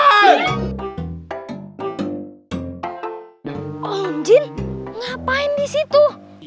om jin ngapain di situ